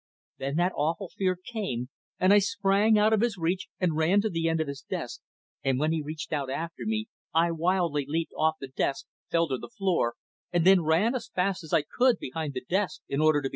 Then that awful fear came, and I sprang out of his reach and ran to the end of his desk, and when he reached out after me, I wildly leaped off the desk, fell to the floor, and then ran as fast as I could behind the desk in order to be safe.